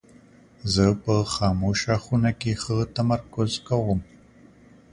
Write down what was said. زه په خاموشه خونه کې ښه تمرکز کوم.